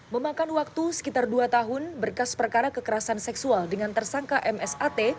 memakan waktu sekitar dua tahun berkas perkara kekerasan seksual dengan tersangka msat